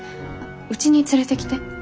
うちに連れてきて。